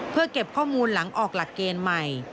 เพื่อเก็บข้อมูลหลังออกหลักเกณฑ์ใหม่